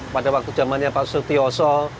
pada waktu zamannya pak suti oso